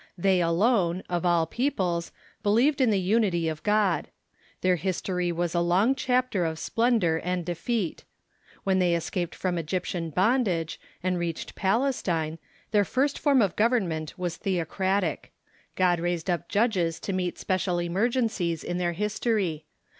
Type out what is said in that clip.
They alone, of all peoples, believed in the unity of God, Their history was a long chapter of splen Ante^c*dents ^^^'^^^^ defeat. When they escaped from Eg^ ptian bondage, and reached Palestine, their first form of government was theocratic. God raised up judges to meet special emergencies in their history.